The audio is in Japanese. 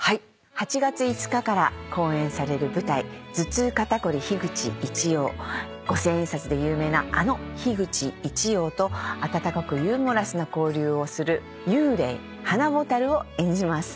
８月５日から公演される舞台『頭痛肩こり樋口一葉』五千円札で有名なあの樋口一葉と温かくユーモラスな交流をする幽霊花螢を演じます。